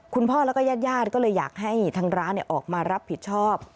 คุณพ่อและแยธยาตรก็เลยอยากให้ถังร้านออกมารับผิดชอบ